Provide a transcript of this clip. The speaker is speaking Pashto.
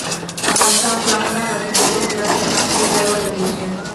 افغانستان تر هغو نه ابادیږي، ترڅو خیرات او زکات په ځای ولګیږي.